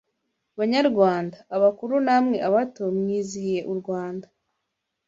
Banyarwanda: abakuru Namwe abato mwizihiye u Rwanda